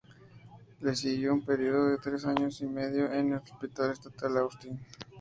Le siguió un periodo de tres años y medio en el Hospital Estatal Austin.